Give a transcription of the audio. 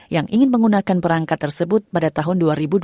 yang ingin menggunakan perangkat tersebut pada tahun dua ribu dua puluh